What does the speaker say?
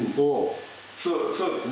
そうそうですね。